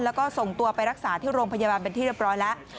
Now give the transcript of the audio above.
แล้วก็ส่งตัวไปรักษาที่โรงพยาบาลเป็นที่เรียบร้อยแล้ว